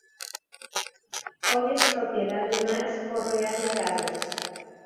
Hoy es propiedad de Max Correa Lecaros.